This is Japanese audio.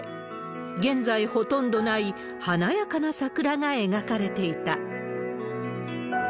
現在、ほとんどない華やかな桜が描かれていた。